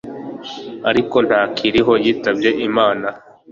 Ariko ntakiriho yitabye Imana